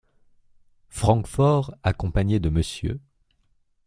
Francfort, accompagné de Mr.